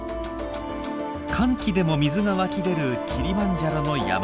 乾季でも水が湧き出るキリマンジャロの山の中。